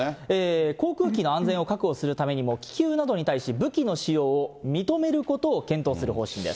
航空機の安全を確保するためにも、気球などに対し武器の使用を認めることを検討する方針です。